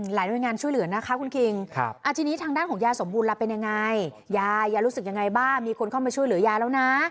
หลายหน่วยงานช่วยเหลือนะคะคุณคิงทีนี้ทางด้านของยายสมบูรณล่ะเป็นยังไงยายยายรู้สึกยังไงบ้างมีคนเข้ามาช่วยเหลือยายแล้วนะ